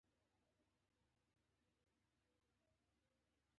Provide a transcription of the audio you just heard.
هغې خپلې لور ته ښه عادتونه ورکړي